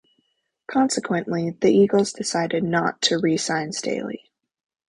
Consequently, the Eagles decided to not re-sign Staley.